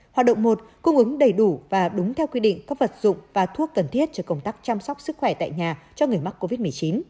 hoạt động một cung ứng đầy đủ và đúng theo quy định các vật dụng và thuốc cần thiết cho công tác chăm sóc sức khỏe tại nhà cho người mắc covid một mươi chín